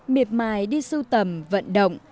miệp mài đi sưu tầm vận động